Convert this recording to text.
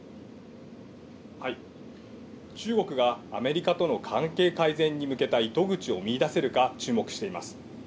中国がアメリカとの関係改善に向けた糸口を見いだせるか、注目しています。